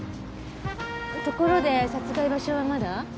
ところで殺害場所はまだ？